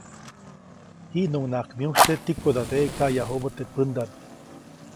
Jiʼnuŋnaʼak myujsye tikodadeʼe kayajubä teʼ pändaʼm.